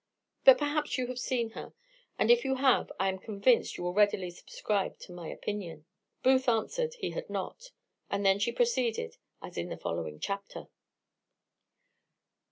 But perhaps you have seen her; and if you have I am convinced you will readily subscribe to my opinion." Booth answered he had not; and then she proceeded as in the following chapter.